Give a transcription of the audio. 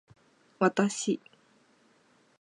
わたし